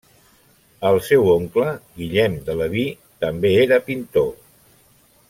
El seu oncle, Guillem de Leví, també era pintor.